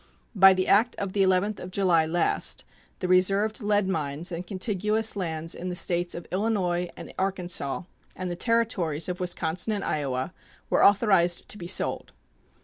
By the act of the 11th of July last "the reserved lead mines and contiguous lands in the States of Illinois and Arkansas and Territories of Wisconsin and Iowa" were authorized to be sold.